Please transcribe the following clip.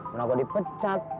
mirna udah dipecat